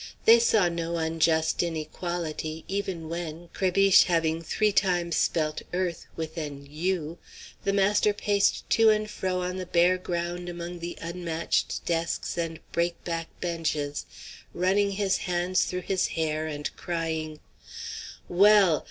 They saw no unjust inequality even when, Crébiche having three times spelt "earth" with an u, the master paced to and fro on the bare ground among the unmatched desks and break back benches, running his hands through his hair and crying: "Well!